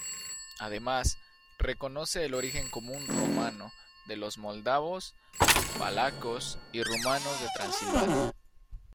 Además reconoce el origen común romano de los moldavos, valacos y rumanos de Transilvania.